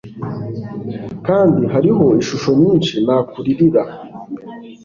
kandi hariho inshuro nyinshi nakuririra